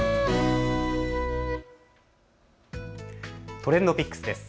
ＴｒｅｎｄＰｉｃｋｓです。